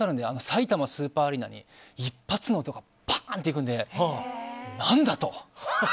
さいたまスーパーアリーナに一発の音がパーン！といくので何だと。